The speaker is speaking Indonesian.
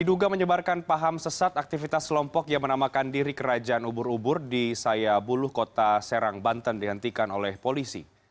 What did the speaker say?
diduga menyebarkan paham sesat aktivitas kelompok yang menamakan diri kerajaan ubur ubur di sayabuluh kota serang banten dihentikan oleh polisi